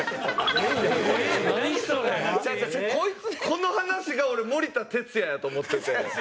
この話が俺森田哲矢やと思ってて。